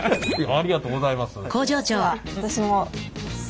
ありがとうございます。